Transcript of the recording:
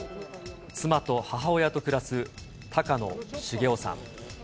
妻と母親と暮らす高野重夫さん。